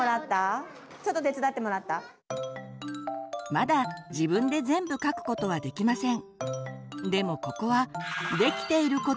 まだ自分で全部書くことはできません。